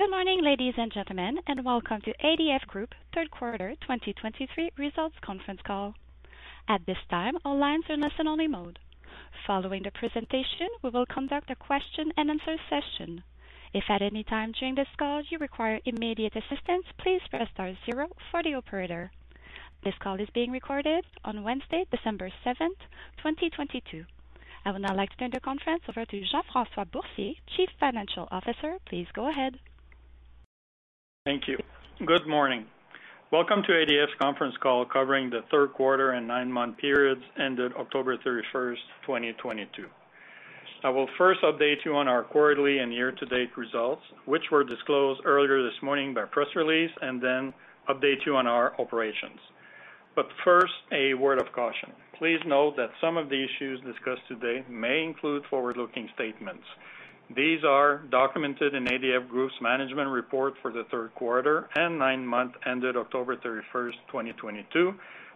Good morning, ladies and gentlemen, welcome to ADF Group third quarter 2023 results conference call. At this time, all lines are in listen only mode. Following the presentation, we will conduct a question-and-answer session. If at any time during this call you require immediate assistance, please press star zero for the operator. This call is being recorded on Wednesday, December 7th, 2022. I would now like to turn the conference over to Jean-François Boursier, Chief Financial Officer. Please go ahead. Thank you. Good morning. Welcome to ADF's conference call covering the third quarter and nine-month periods ended October 31, 2022. I will first update you on our quarterly and year-to-date results, which were disclosed earlier this morning by press release, and then update you on our operations. First, a word of caution. Please note that some of the issues discussed today may include forward-looking statements. These are documented in ADF Group's management report for the third quarter and nine-month ended October 31, 2022,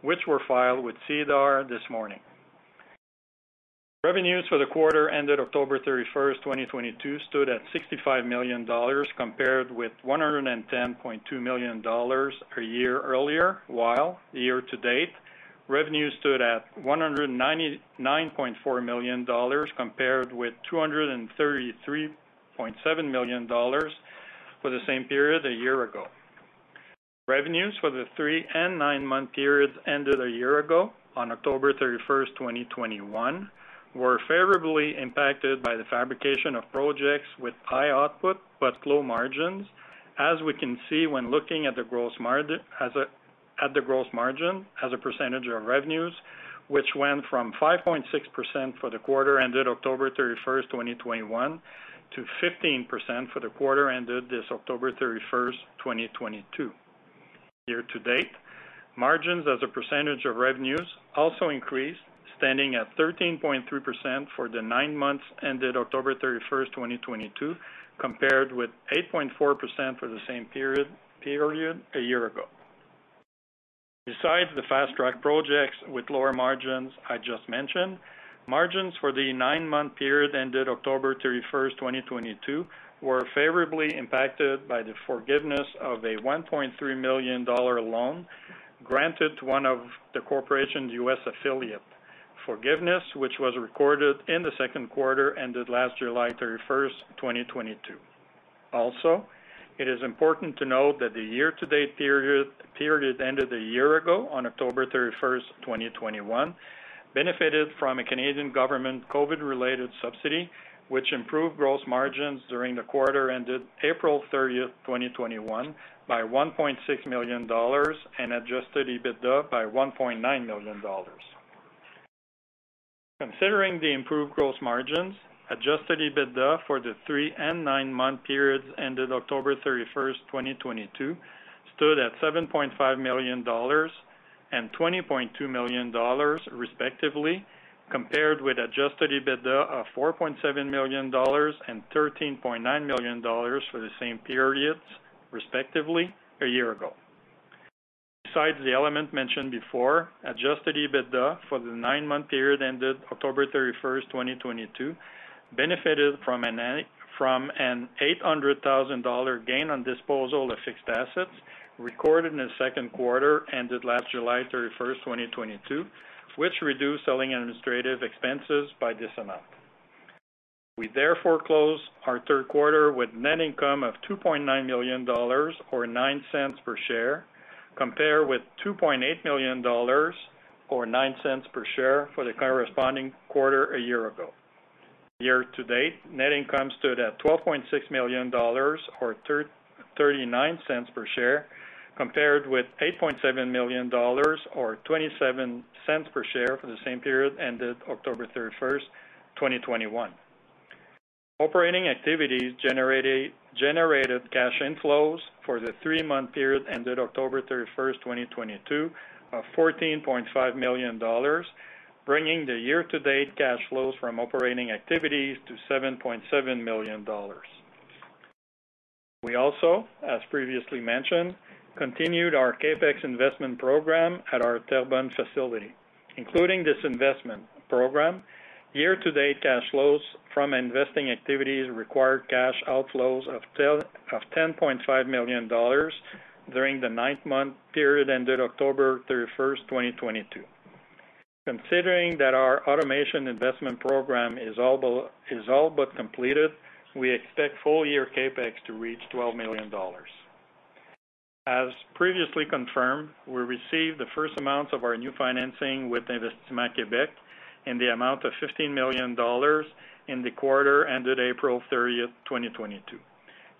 which were filed with SEDAR this morning. Revenues for the quarter ended October 31, 2022 stood at 65 million dollars, compared with 110.2 million dollars per year earlier, while year-to-date revenues stood at 199.4 million dollars, compared with 233.7 million dollars for the same period a year ago. Revenues for the three and nine-month periods ended a year ago on October 31st, 2021 were favorably impacted by the fabrication of projects with high output but low margins. We can see when looking at the gross margin as a percentage of revenues, which went from 5.6% for the quarter ended October 31st, 2021 to 15% for the quarter ended this October 31st, 2022. Year to date, margins as a percentage of revenues also increased, standing at 13.3% for the nine months ended October 31st, 2022, compared with 8.4% for the same period a year ago. Besides the fast-track projects with lower margins I just mentioned, margins for the nine-month period ended October 31st, 2022 were favorably impacted by the forgiveness of a 1.3 million dollar loan granted to one of the corporation's U.S. affiliate. Forgiveness, which was recorded in the second quarter, ended last July 31st, 2022. It is important to note that the year-to-date period ended a year ago on October 31st, 2021 benefited from a Canadian government COVID-related subsidy, which improved gross margins during the quarter ended April 30th, 2021 by 1.6 million dollars and Adjusted EBITDA by 1.9 million dollars. Considering the improved gross margins, Adjusted EBITDA for the three and nine-month periods ended October 31, 2022 stood at 7.5 million dollars and 20.2 million dollars, respectively, compared with Adjusted EBITDA of 4.7 million dollars and 13.9 million dollars for the same periods, respectively, a year ago. Besides the element mentioned before, Adjusted EBITDA for the nine-month period ended October 31, 2022 benefited from an 800,000 dollar gain on disposal of fixed assets recorded in the second quarter, ended last July 31, 2022, which reduced selling administrative expenses by this amount. We therefore closed our 3rd quarter with net income of 2.9 million dollars or 0.09 per share, compared with 2.8 million dollars or 0.09 per share for the corresponding quarter a year ago. Year to date, net income stood at 12.6 million dollars or 0.39 per share, compared with 8.7 million dollars or 0.27 per share for the same period ended October 31, 2021. Operating activities generated cash inflows for the three-month period ended October 31, 2022 of 14.5 million dollars, bringing the year-to-date cash flows from operating activities to 7.7 million dollars. We also, as previously mentioned, continued our CapEx investment program at our Terrebonne facility. Including this investment program, year-to-date cash flows from investing activities required cash outflows of 10.5 million dollars during the ninth-month period ended October 31, 2022. Considering that our automation investment program is all but completed, we expect full-year CapEx to reach 12 million dollars. As previously confirmed, we received the first amounts of our new financing with Investissement Québec in the amount of 15 million dollars in the quarter ended April 30, 2022.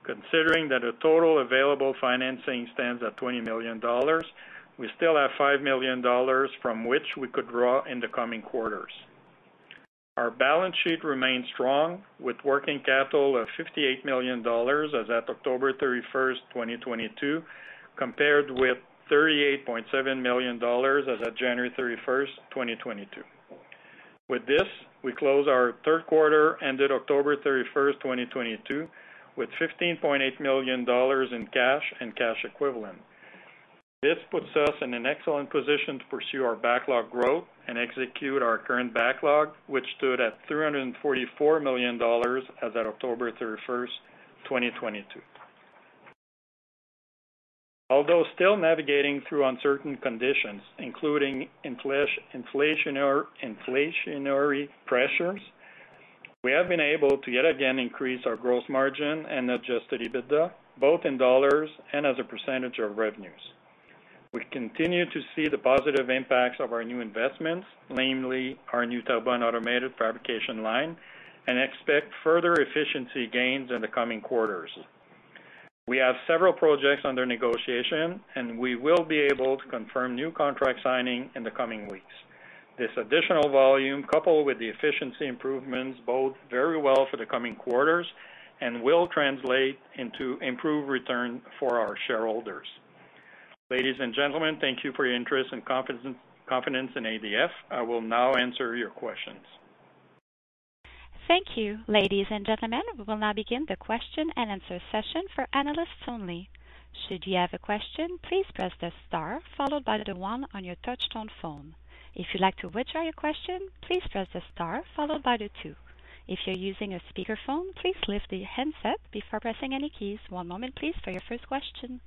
Considering that the total available financing stands at 20 million dollars, we still have 5 million dollars from which we could draw in the coming quarters. Our balance sheet remains strong with working capital of 58 million dollars as at October 31, 2022, compared with 38.7 million dollars as at January 31, 2022. With this, we close our third quarter, ended October 31, 2022 with 15.8 million dollars in cash and cash equivalent. This puts us in an excellent position to pursue our backlog growth and execute our current backlog, which stood at 344 million dollars as at October 31, 2022. Although still navigating through uncertain conditions, including inflationary pressures, we have been able to yet again increase our growth margin and Adjusted EBITDA, both in dollars and as a percentage of revenues. We continue to see the positive impacts of our new investments, namely our new turbine automated fabrication line, and expect further efficiency gains in the coming quarters. We will be able to confirm new contract signing in the coming weeks. This additional volume, coupled with the efficiency improvements, bode very well for the coming quarters and will translate into improved return for our shareholders. Ladies and gentlemen, thank you for your interest and confidence in ADF. I will now answer your questions. Thank you. Ladies and gentlemen, we will now begin the question-and-answer session for analysts only. Should you have a question, please press the star followed by the one on your touchtone phone. If you'd like to withdraw your question, please press the star followed by the two. If you're using a speakerphone, please lift the handset before pressing any keys. One moment please for your first question.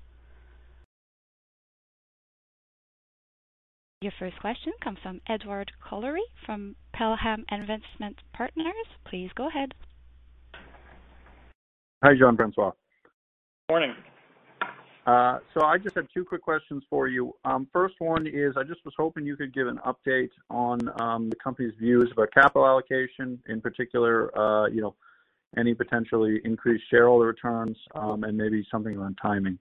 Your first question comes from Edward Collery from Pelham Investment Partners. Please go ahead. Hi, Jean-François. Morning. I just have two quick questions for you. First one is, I just was hoping you could give an update on the company's views of a capital allocation, in particular, you know, any potentially increased shareholder returns, and maybe something on timing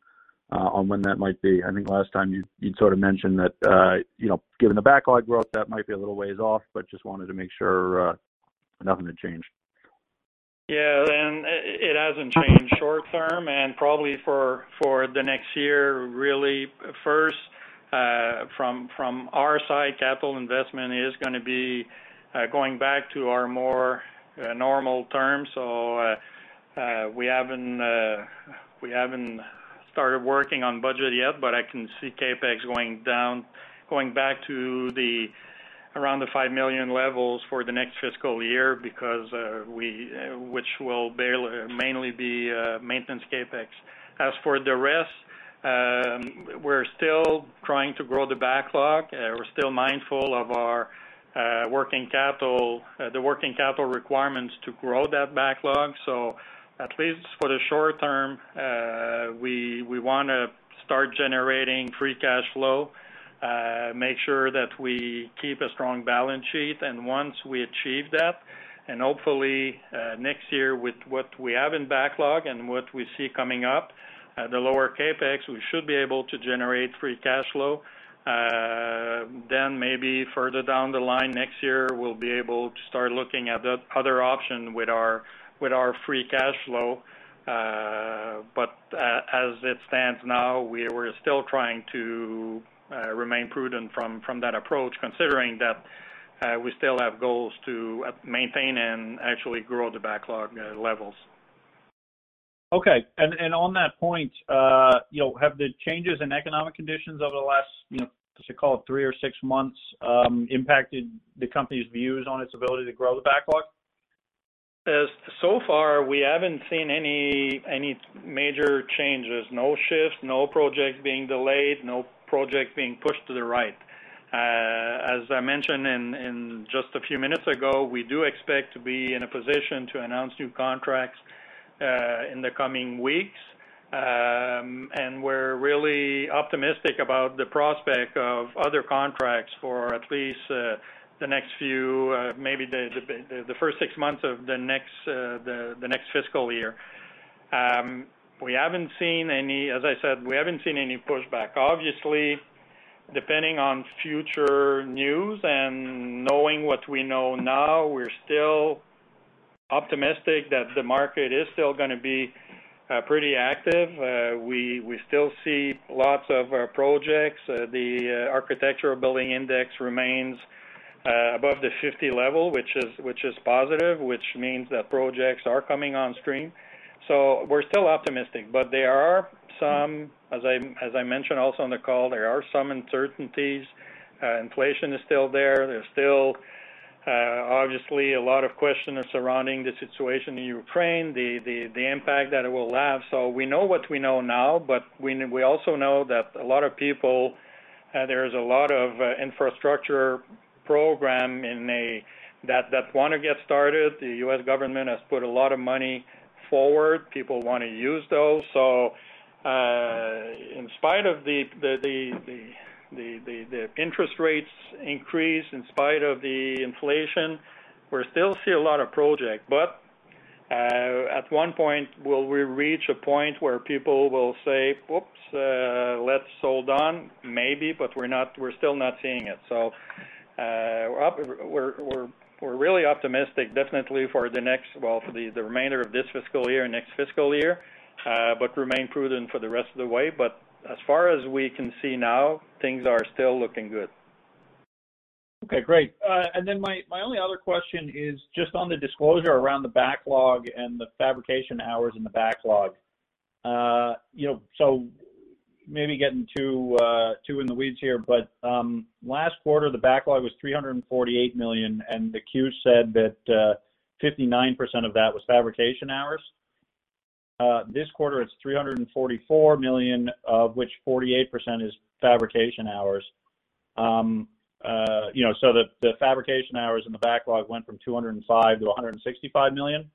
on when that might be. I think last time you'd sort of mentioned that, you know, given the backlog growth, that might be a little ways off, but just wanted to make sure nothing had changed. Yeah. And it hasn't changed short term and probably for the next year, really. First, from our side, capital investment is gonna be going back to our more normal terms. We haven't started working on budget yet, but I can see CapEx going down, going back around the 5 million levels for the next fiscal year because which will mainly be maintenance CapEx. As for the rest, we're still trying to grow the backlog. We're still mindful of our the working capital requirements to grow that backlog. At least for the short term, we wanna start generating free cash flow, make sure that we keep a strong balance sheet. Once we achieve that, hopefully, next year with what we have in backlog and what we see coming up at a lower CapEx, we should be able to generate free cash flow. Maybe further down the line next year, we'll be able to start looking at the other option with our free cash flow. As it stands now, we're still trying to remain prudent from that approach, considering that we still have goals to maintain and actually grow the backlog levels. Okay. On that point, you know, have the changes in economic conditions over the last, you know, as you call it, three or six months, impacted the company's views on its ability to grow the backlog? So far, we haven't seen any major changes, no shifts, no project being delayed, no project being pushed to the right. As I mentioned in just a few minutes ago, we do expect to be in a position to announce new contracts in the coming weeks. We're really optimistic about the prospect of other contracts for at least the next few, maybe the first six months of the next fiscal year. We haven't seen any. As I said, we haven't seen any pushback. Obviously, depending on future news and knowing what we know now, we're still optimistic that the market is still gonna be pretty active. We still see lots of projects. The Architecture Billings Index remains above the 50 level, which is positive, which means that projects are coming on stream. We're still optimistic. There are some, as I mentioned also on the call, there are some uncertainties. Inflation is still there. There's still obviously a lot of questions surrounding the situation in Ukraine, the impact that it will have. We know what we know now, but we also know that a lot of people, there's a lot of infrastructure program that wanna get started. The U.S. government has put a lot of money forward. People wanna use those. In spite of the interest rates increase, in spite of the inflation, we still see a lot of project. At one point, will we reach a point where people will say, "Oops, let's hold on." Maybe, but we're still not seeing it. We're really optimistic, definitely for the next... Well, for the remainder of this fiscal year and next fiscal year, but remain prudent for the rest of the way. As far as we can see now, things are still looking good. Great. My only other question is just on the disclosure around the backlog and the fabrication hours in the backlog. you know, maybe getting too in the weeds here, but last quarter the backlog was 348 million, and the Q said that 59% of that was fabrication hours. This quarter, it's 344 million, of which 48% is fabrication hours. you know, the fabrication hours in the backlog went from 205 million to 165 million.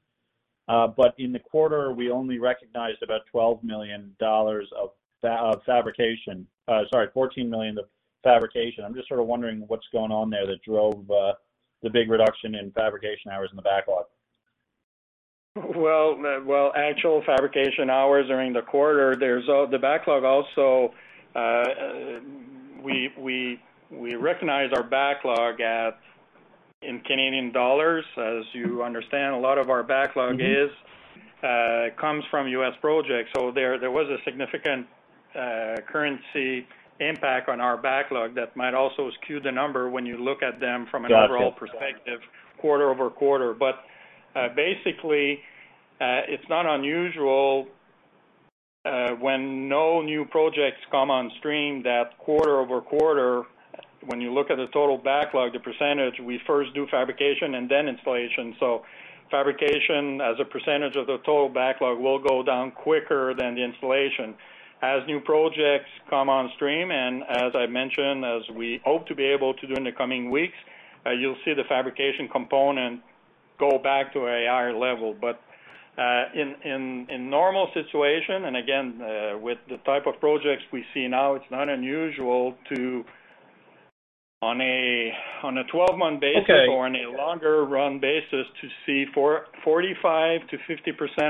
In the quarter, we only recognized about 12 million dollars of fabrication. Sorry, 14 million of fabrication. I'm just sort of wondering what's going on there that drove the big reduction in fabrication hours in the backlog. actual fabrication hours during the quarter, there's the backlog also, we recognize our backlog at, in Canadian dollars. As you understand, a lot of our backlog is. Mm-hmm. comes from U.S. projects, so there was a significant currency impact on our backlog that might also skew the number when you look at them. Got it. an overall perspective quarter-over-quarter. Basically, it's not unusual when no new projects come on stream that quarter-over-quarter, when you look at the total backlog, the percentage, we first do fabrication and then installation. Fabrication as a percentage of the total backlog will go down quicker than the installation. As new projects come on stream, and as I mentioned, as we hope to be able to do in the coming weeks, you'll see the fabrication component go back to a higher level. In normal situation, and again, with the type of projects we see now, it's not unusual to. On a 12-month basis. Okay. On a longer run basis, to see for 45%-50%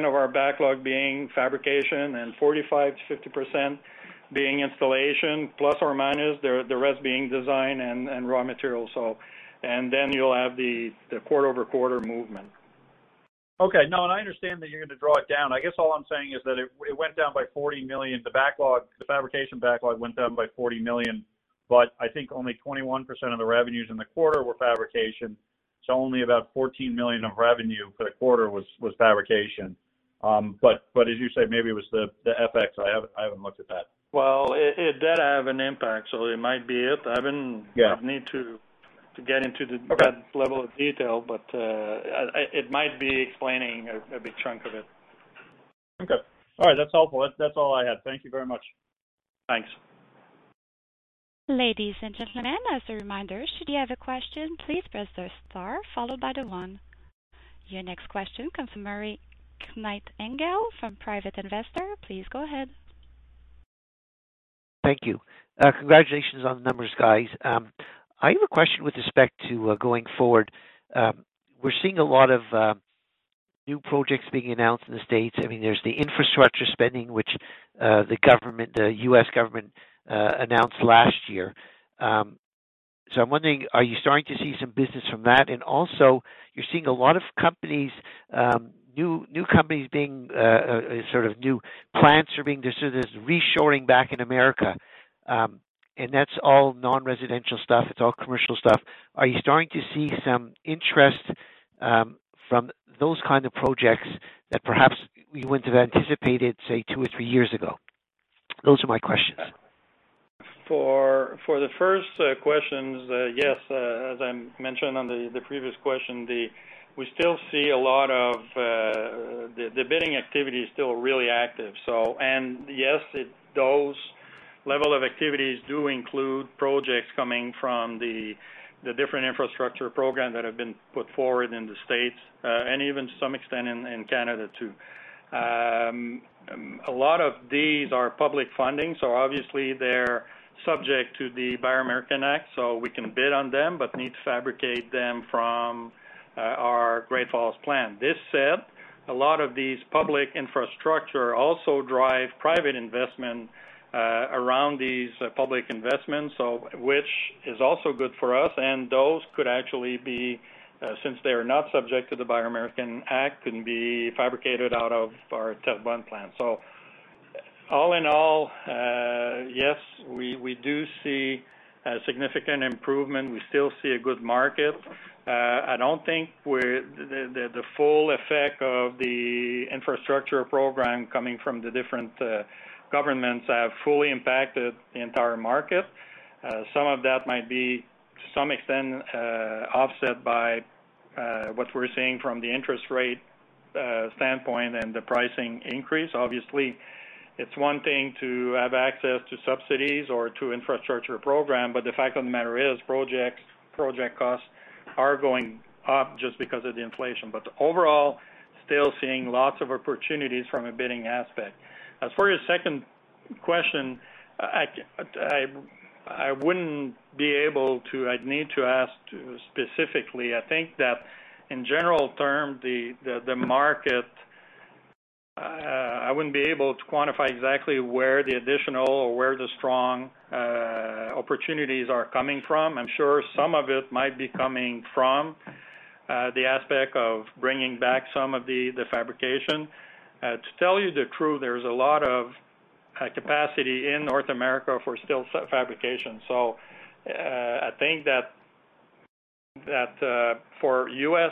of our backlog being fabrication and 45%-50% being installation, ± the rest being design and raw materials. You'll have the quarter-over-quarter movement. Okay. No, I understand that you're gonna draw it down. I guess all I'm saying is that it went down by 40 million. The backlog, the fabrication backlog went down by 40 million, but I think only 21% of the revenues in the quarter were fabrication, so only about 14 million of revenue for the quarter was fabrication. As you say, maybe it was the FX. I haven't looked at that. Well, it did have an impact, so it might be it. Yeah. need to get into the. Okay. that level of detail, It might be explaining a big chunk of it. Okay. All right. That's helpful. That's all I had. Thank you very much. Thanks. Ladies and gentlemen, as a reminder, should you have a question, please press the star followed by the one. Your next question comes from Murray Knight Engel from Private Investor. Please go ahead. Thank you. Congratulations on the numbers, guys. I have a question with respect to going forward. We're seeing a lot of new projects being announced in the States. I mean, there's the infrastructure spending, which the government, the U.S. government, announced last year. I'm wondering, are you starting to see some business from that? You're seeing a lot of companies, new companies being. There's sort of this reshoring back in America, and that's all non-residential stuff. It's all commercial stuff. Are you starting to see some interest from those kind of projects that perhaps you wouldn't have anticipated, say, two or three years ago? Those are my questions. For the first questions, yes, as I mentioned on the previous question. We still see a lot of the bidding activity is still really active. And yes, those level of activities do include projects coming from the different infrastructure programs that have been put forward in the States and even to some extent in Canada too. A lot of these are public funding, so obviously they're subject to the Buy American Act, so we can bid on them, but need to fabricate them from our Great Falls plant. This said, a lot of these public infrastructure also drive private investment around these public investments, so which is also good for us, and those could actually be, since they are not subject to the Buy American Act, can be fabricated out of our Terrebonne plant. All in all, yes, we do see a significant improvement. We still see a good market. I don't think the full effect of the infrastructure program coming from the different governments have fully impacted the entire market. Some of that might be to some extent offset by what we're seeing from the interest rate standpoint and the pricing increase. Obviously, it's one thing to have access to subsidies or to infrastructure program, but the fact of the matter is project costs are going up just because of the inflation. Overall, still seeing lots of opportunities from a bidding aspect. As for your second question, I wouldn't be able to. I'd need to ask specifically. I think that in general term, the market, I wouldn't be able to quantify exactly where the additional or where the strong opportunities are coming from. I'm sure some of it might be coming from the aspect of bringing back some of the fabrication. To tell you the truth, there's a lot of capacity in North America for steel fabrication. I think that for U.S.,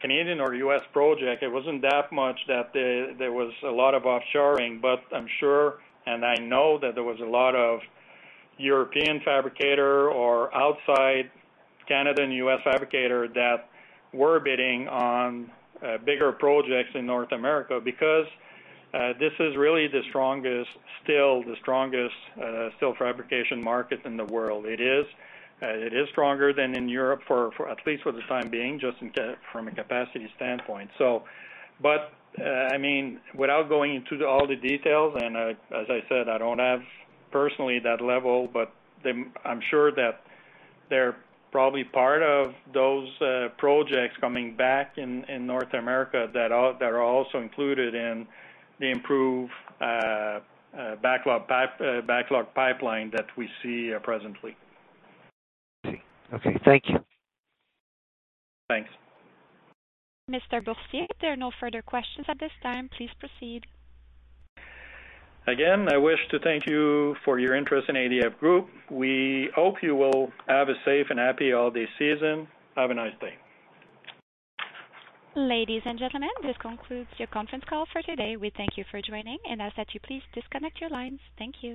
Canadian or U.S. project, it wasn't that much that there was a lot of offshoring. I'm sure, and I know that there was a lot of European fabricator or outside Canada and U.S. fabricator that were bidding on bigger projects in North America because this is really the strongest steel, the strongest steel fabrication market in the world. It is, it is stronger than in Europe for at least for the time being, just from a capacity standpoint. I mean, without going into the, all the details, and as I said, I don't have personally that level, but I'm sure that they're probably part of those projects coming back in North America that are also included in the improved backlog pipe, backlog pipeline that we see presently. I see. Okay. Thank you. Thanks. Mr. Boursier, there are no further questions at this time. Please proceed. I wish to thank you for your interest in ADF Group. We hope you will have a safe and happy holiday season. Have a nice day. Ladies and gentlemen, this concludes your conference call for today. We thank you for joining, and ask that you please disconnect your lines. Thank you.